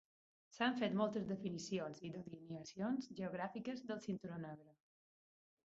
S'han fet moltes definicions i delineacions geogràfiques del Cinturó Negre.